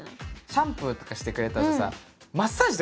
シャンプーとかしてくれたりさマッサージとかしてくれない？